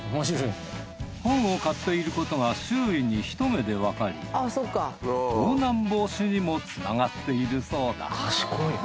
本を買っていることが周囲にひと目でわかり盗難防止にもつながっているそうだ。